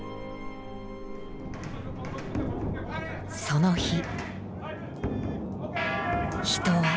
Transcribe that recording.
その日。